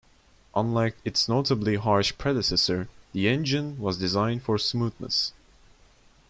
Unlike its notably harsh predecessor, the engine was designed for smoothness.